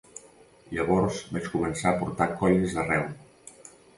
Llavors vaig començar a portar colles d’arreu.